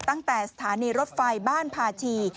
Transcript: ตั้งแต่สถานีรถไฟบ้านพาชี